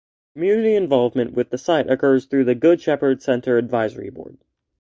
Community involvement with the site occurs through the Good Shepherd Center Advisory Board.